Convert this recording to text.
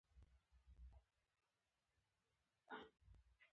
ما او جميله ښکل کړل، ډېر مینه ناک وو.